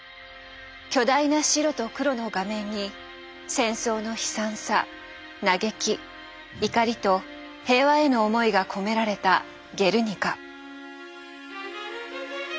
巨大な白と黒の画面に戦争の悲惨さ嘆き怒りと平和への思いが込められた「ゲルニカ」。